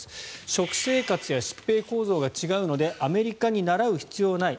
食生活や疾病構造が違うのでアメリカにならう必要はない。